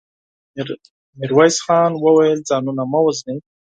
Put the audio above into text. ميرويس خان وويل: ځانونه مه وژنئ.